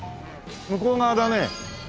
向こう側だね。